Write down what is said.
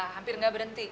hampir nggak berhenti